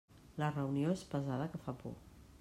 La reunió és pesada que fa por.